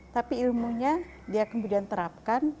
tapi ilmunya dia kemudian terapkan